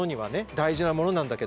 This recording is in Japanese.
大事なものなんだけど。